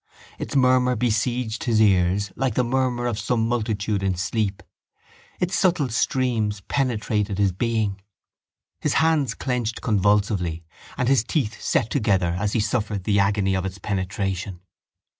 Its murmur besieged his ears like the murmur of some multitude in sleep; its subtle streams penetrated his being. His hands clenched convulsively and his teeth set together as he suffered the agony of its penetration.